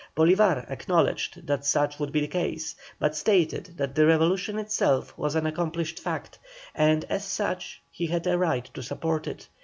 Bolívar acknowledged that such would be the case, but stated that the Revolution itself was an accomplished fact, and as such he had a right to support it.